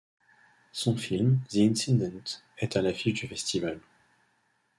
Son film The Incident est à l'affiche du festival.